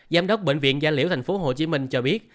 giám đốc bệnh viện gia liễu tp hcm cho biết